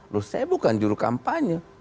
loh saya bukan juru kampanye